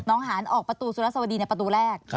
หานออกประตูสุรสวดีในประตูแรก